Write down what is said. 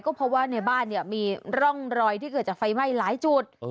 เพราะว่าในบ้านเนี่ยมีร่องรอยที่เกิดจากไฟไหม้หลายจุด